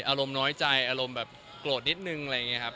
อารมณ์น้อยใจอารมณ์แบบโกรธนิดนึงอะไรอย่างนี้ครับ